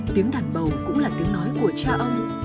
tiếng đàn bầu cũng là tiếng nói của cha ông